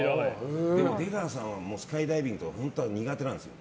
でも出川さんはスカイダイビングとか本当は苦手なんですよ。